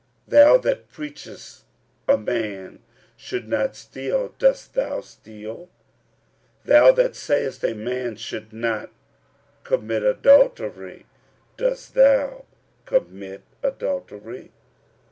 thou that preachest a man should not steal, dost thou steal? 45:002:022 Thou that sayest a man should not commit adultery, dost thou commit adultery?